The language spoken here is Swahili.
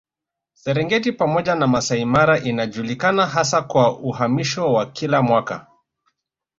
Serengeti pamoja na Masai Mara inajulikana hasa kwa uhamisho wa kila mwaka